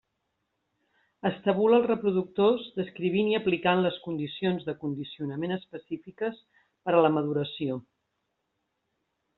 Estabula els reproductors, descrivint i aplicant les condicions de condicionament específiques per a la maduració.